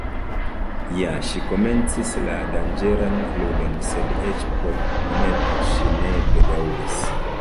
Ja ŝi komencis la danĝeran ludon, sed eĉ por momento ŝi ne bedaŭris.